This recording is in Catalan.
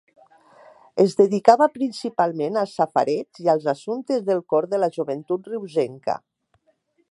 Es dedicava principalment al safareig i als assumptes del cor de la joventut reusenca.